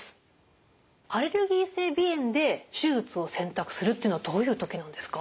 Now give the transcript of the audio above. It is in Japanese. アレルギー性鼻炎で手術を選択するっていうのはどういう時なんですか？